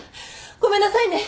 ごめんなさいね。